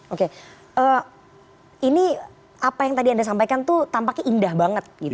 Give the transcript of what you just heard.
oke ini apa yang tadi anda sampaikan itu tampaknya indah banget gitu